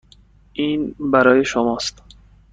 این برای شماست.